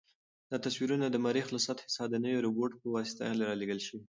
دا تصویرونه د مریخ له سطحې څخه د نوي روبوټ په واسطه رالېږل شوي.